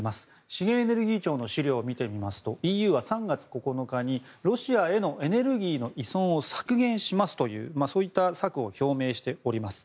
資源エネルギー庁の資料を見てみますとＥＵは３月９日にロシアへのエネルギーの依存を削減しますというそういった策を表明しております。